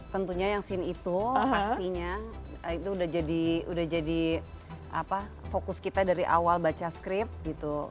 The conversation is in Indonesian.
tentunya yang scene itu pastinya itu udah jadi fokus kita dari awal baca script gitu